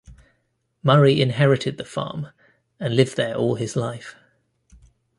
Murray inherited the farm and lived there all his life.